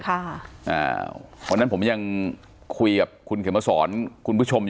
ตอนนั้นผมยังคุยกับคุณเขมศรคุณผู้ชม